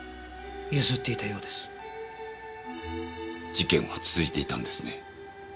事件は続いていたんですね。